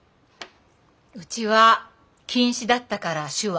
うちは禁止だったから手話。